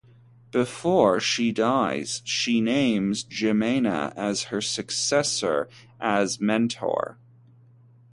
Before she dies, she names Jimena as her successor as mentor.